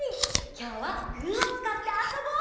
きょうはグーをつかってあそぼう！